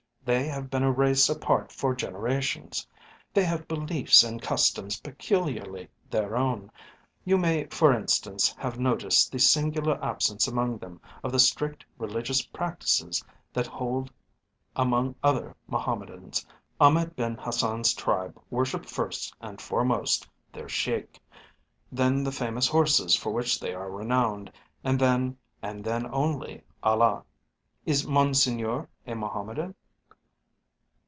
They have been a race apart for generations. They have beliefs and customs peculiarly their own. You may, for instance, have noticed the singular absence among them of the strict religious practices that hold among other Mohammedans. Ahmed Ben Hassan's tribe worship first and foremost their Sheik, then the famous horses for which they are renowned, and then and then only Allah." "Is Monseigneur a Mohammedan?"